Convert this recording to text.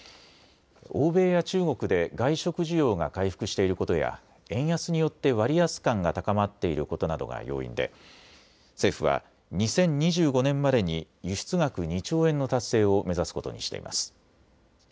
欧米や中国で外食需要が回復していることや円安によって割安感が高まっていることなどが要因で政府は２０２５年までに輸出額２兆円の達成を目指すことにしています。